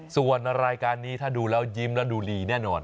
ส่วนรายการนี้ถ้าดูแล้วยิ้มแล้วดูดีแน่นอน